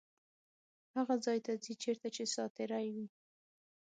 هغه ځای ته ځي چیرته چې ساعتېرۍ وي.